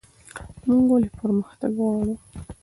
موږ ولې پرمختګ غواړو؟